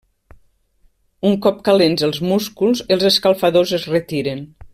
Un cop calents els músculs, els escalfadors es retiren.